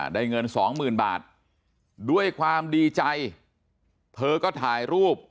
ได้เงินสองหมื่นบาทด้วยความดีใจเธอก็ถ่ายรูป